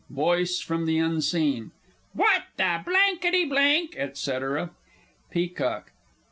_ VOICE FROM THE UNSEEN. What the blanky blank, &c. PEACOCK.